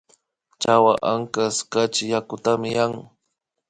Chawa ankaska kachi yakutami yan